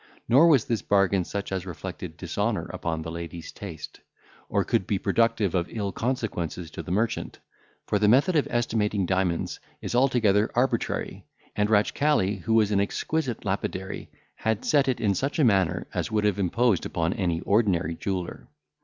Nor was this bargain such as reflected dishonour upon the lady's taste, or could be productive of ill consequences to the merchant; for the method of estimating diamonds is altogether arbitrary; and Ratchcali, who was an exquisite lapidary, had set it in such a manner as would have imposed upon any ordinary jeweller.